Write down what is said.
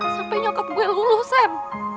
sampai nyokap gue luluh sam